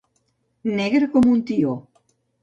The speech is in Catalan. Negre com un tió.